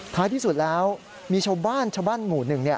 ท้ายที่สุดแล้วมีชาวบ้านชาวบ้านหมู่หนึ่ง